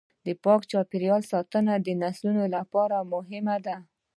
د پاک چاپیریال ساتنه د نسلونو لپاره مهمه ده.